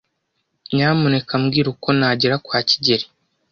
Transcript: Nyamuneka mbwira uko nagera kwa kigeli.